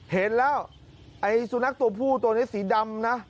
เห็นแล้วไอ้สุนัขตัวผู้ตัวนี้สีดำนะ